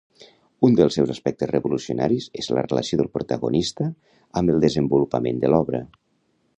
Un dels seus aspectes revolucionaris és la relació del protagonista amb el desenvolupament de l'obra.